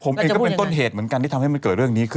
ผมเองก็เป็นต้นเหตุเหมือนกันที่ทำให้มันเกิดเรื่องนี้ขึ้น